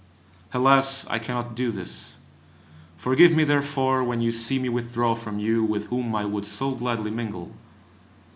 Alas, I cannot do this! Forgive me therefore when you see me withdraw from you with whom I would so gladly mingle.